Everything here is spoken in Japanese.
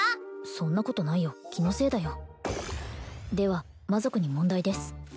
そんなことないよ気のせいだよでは魔族に問題です